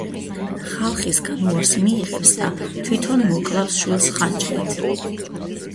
ხალხისგან უარს მიიღებს და თვითონ მოკლავს შვილს ხანჯლით.